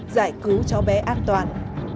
giải cứu cháu bé an toàn